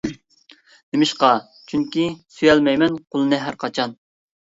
-نېمىشقا؟ -چۈنكى سۆيەلمەيمەن قۇلنى ھەر قاچان.